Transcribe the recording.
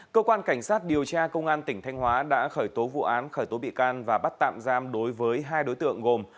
cơ quan cảnh sát điều tra công an tỉnh thanh hóa đã khởi tố vụ án khởi tố bị can và bắt tạm giam đối với hai đối tượng gồm